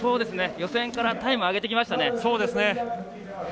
予選からタイムを上げてきましたね。